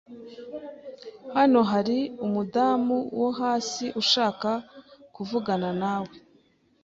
Hano hari umudamu wo hasi ushaka kuvugana nawe